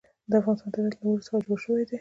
د افغانستان طبیعت له اوړي څخه جوړ شوی دی.